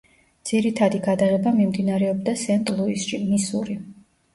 ძირითადი გადაღება მიმდინარეობდა სენტ-ლუისში, მისური.